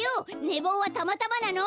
ねぼうはたまたまなの！